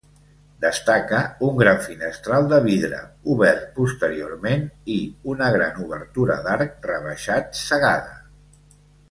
Destaca un gran finestral de vidre, obert posteriorment, i una gran obertura d'arc rebaixat cegada.